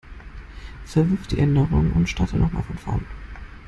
Verwirf die Änderungen und starte noch mal von vorn.